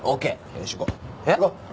よし行こう。